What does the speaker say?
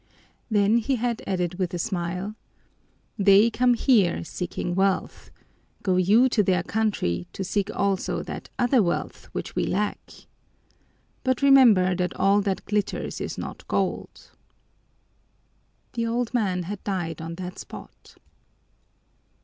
Then he had added with a smile, "They come here seeking wealth, go you to their country to seek also that other wealth which we lack! But remember that all that glitters is not gold." The old man had died on that spot.